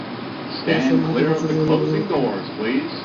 আমাদের চরমতম মুহুর্তের জন্য প্রস্তুতি নিয়ে রাখতে হবে।